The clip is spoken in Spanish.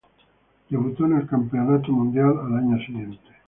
Debutó en el campeonato mundial al año siguiente.